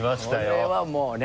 これはもうね。